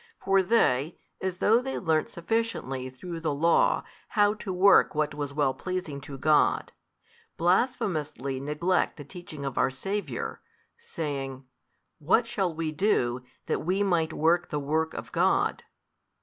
For they, as though they learnt sufficiently through the Law how |358 to work what was well pleasing to God, blasphemously neglect the teaching of our Saviour, saying, what shall we do, that we might work the work of God?